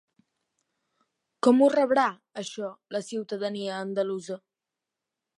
Com ho rebrà, això, la ciutadania andalusa?